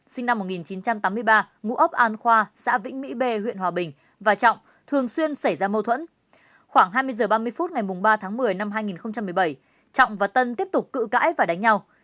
sau đó đêm ngày ba tháng một mươi năm hai nghìn một mươi bảy trọng và tân tiếp tục cự cãi và đánh nhau